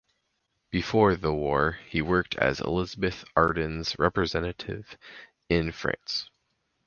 Before the war he worked as Elizabeth Arden’s representative in France.